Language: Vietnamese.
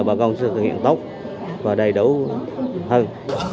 bà con sẽ thực hiện tốt và đầy đủ hơn